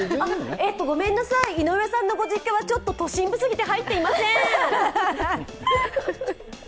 ごめんなさい、井上さんのご実家は都心部すぎて入っていません。